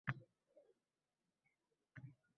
Oʻynar ekanman xayolimda doim bir narsa turardi